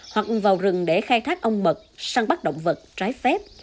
hoặc ưng vào rừng để khai thác ong mật săn bắt động vật trái phép